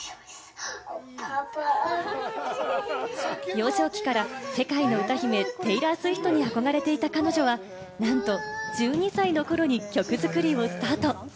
幼少期から世界の歌姫、テイラー・スウィフトに憧れていた彼女は、なんと１２歳の頃に曲作りをスタート。